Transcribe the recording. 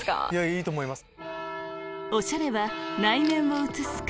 いいと思います。